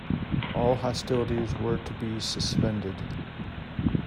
All hostilities were to be suspended.